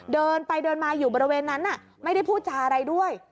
เดินไปเดินมาอยู่บริเวณนั้นไม่ได้พูดจาอะไรด้วย